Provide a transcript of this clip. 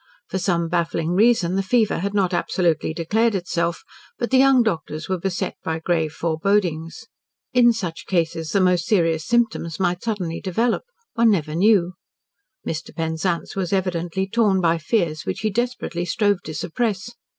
For some baffling reason the fever had not absolutely declared itself, but the young doctors were beset by grave forebodings. In such cases the most serious symptoms might suddenly develop. One never knew. Mr. Penzance was evidently torn by fears which he desperately strove to suppress.